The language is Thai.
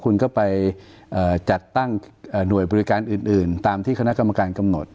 คุณก็ไปจัดตั้งหน่วยบริการอื่นตามที่คณะกรรมการกำหนด